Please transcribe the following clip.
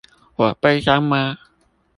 我悲傷嗎？